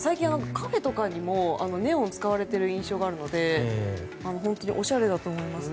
カフェとかにもネオンを使われている印象があるので本当におしゃれだと思います。